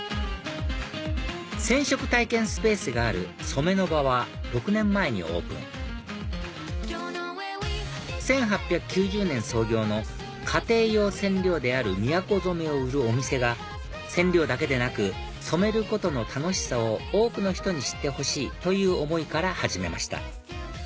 染色体験スペースがあるｓｏｍｅｎｏｖａは６年前にオープン１８９０年創業の家庭用染料であるみやこ染を売るお店が染料だけでなく染めることの楽しさを多くの人に知ってほしいという思いから始めました